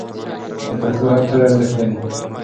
د پښتو هر توری ارزښت لري.